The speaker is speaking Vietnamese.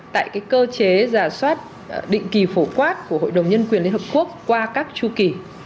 tại cơ chế giả soát định kỳ phổ quát của hội đồng nhân quyền lhq qua các chu kỳ